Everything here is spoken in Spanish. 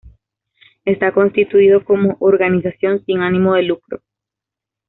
Está constituido como organización sin ánimo de lucro.